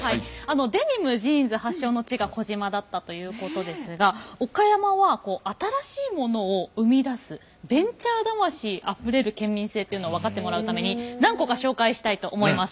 デニムジーンズ発祥の地が児島だったということですが岡山は新しいものを生み出すベンチャー魂あふれる県民性っていうのを分かってもらうために何個か紹介したいと思います。